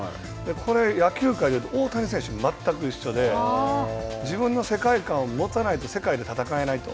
これ、野球界で言うと大谷選手が全く一緒で、自分の世界観を持たないと、世界で戦えないと。